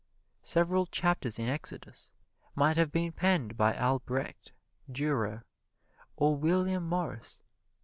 Several chapters in Exodus might have been penned by Albrecht Durer or William Morris.